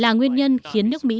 nó là nguyên nhân khiến nước mỹ